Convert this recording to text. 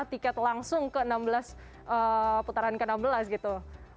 tiket langsung ke enam belas putaran ke enam belas gitu